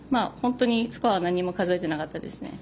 スコアは何も数えてなかったですね。